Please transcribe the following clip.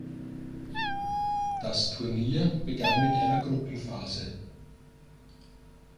Das Turnier begann mit einer Gruppenphase.